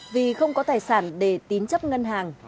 vì không có tài sản để tín chấp ngân hàng